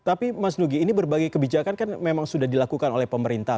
tapi mas nugi ini berbagai kebijakan kan memang sudah dilakukan oleh pemerintah